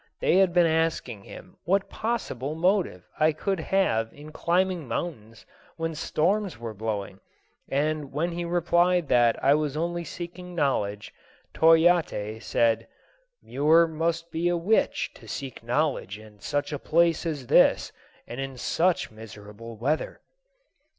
They had been asking him what possible motive I could have in climbing mountains when storms were blowing; and when he replied that I was only seeking knowledge, Toyatte said, "Muir must be a witch to seek knowledge in such a place as this and in such miserable weather."